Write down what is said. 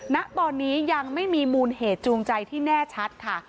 ณตอนนี้ยังไม่มีมูลเหตุจูงใจที่แน่ชัดค่ะ